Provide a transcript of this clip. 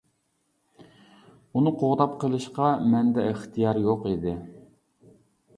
ئۇنى قوغداپ قېلىشقا مەندە ئىختىيار يوق ئىدى.